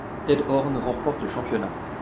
Ted Horn remporte le championnat.